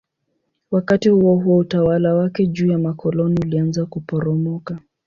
Wakati huohuo utawala wake juu ya makoloni ulianza kuporomoka.